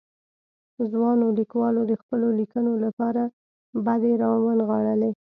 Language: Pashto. ځوانو ليکوالو د خپلو ليکنو لپاره بډې را ونغاړلې.